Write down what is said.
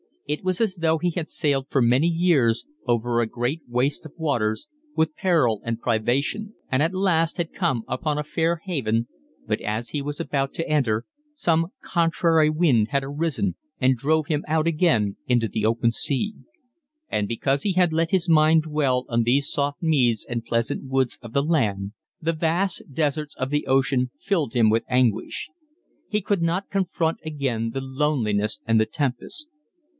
It was as though he had sailed for many years over a great waste of waters, with peril and privation, and at last had come upon a fair haven, but as he was about to enter, some contrary wind had arisen and drove him out again into the open sea; and because he had let his mind dwell on these soft meads and pleasant woods of the land, the vast deserts of the ocean filled him with anguish. He could not confront again the loneliness and the tempest.